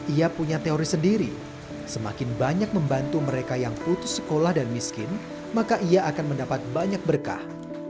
ia punya teori sendiri semakin banyak membantu mereka yang putus sekolah dan miskin maka ia akan mendapat banyak berkah